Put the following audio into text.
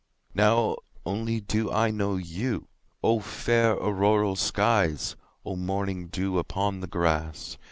Now only do I know you!O fair auroral skies! O morning dew upon the grass!